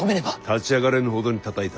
立ち上がれぬほどにたたいた。